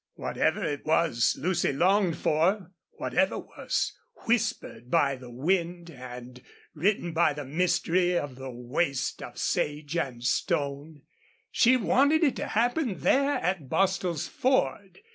Whatever it was Lucy longed for, whatever was whispered by the wind and written in the mystery of the waste of sage and stone, she wanted it to happen there at Bostil's Ford.